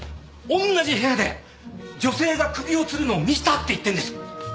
同じ部屋で女性が首をつるのを見たって言ってんです。